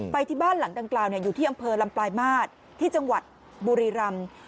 ไปที่บ้านหลังดังกล่าวอยู่ที่อำเภอลำปลายมาตรที่จังหวัดบุรีรำ